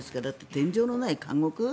天井のない監獄。